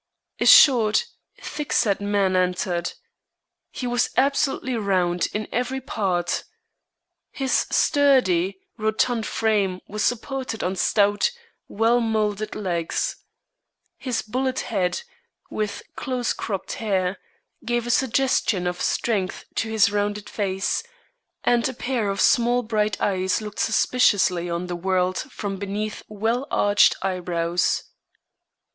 A short, thick set man entered. He was absolutely round in every part. His sturdy, rotund frame was supported on stout, well moulded legs. His bullet head, with close cropped hair, gave a suggestion of strength to his rounded face, and a pair of small bright eyes looked suspiciously on the world from beneath well arched eyebrows.